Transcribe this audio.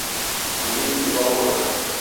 Үлем илау һыҙ